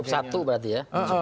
cukup satu berarti ya